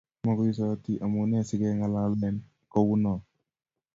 moguisoti omunee sing'alalen kou noe